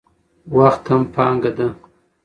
وخت هم پانګه ده.